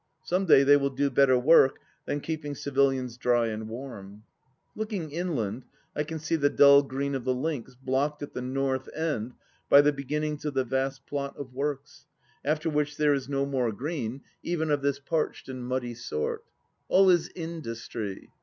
Some day they will do better work than keeping civilians dry and warm. ... Looking inland I can see the dull green of the links blocked at the north end by the beginnings of the vast plot of works, after which there is no more green, even 802 THE LAST DITCH of this parched and muddy sort. All is industry.